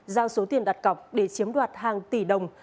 giao số tiền đặt cọc để chiếm đoạt hàng tỷ đồng